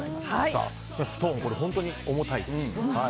ストーン、本当に重たいです。